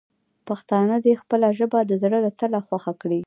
پښتانه دې خپله ژبه د زړه له تله خوښه کړي.